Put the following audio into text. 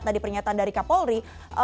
tadi pernyataan dari kapolri